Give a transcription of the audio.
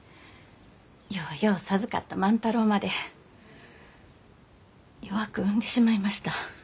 ようよう授かった万太郎まで弱く産んでしまいました。